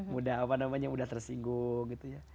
mudah apa namanya mudah tersinggung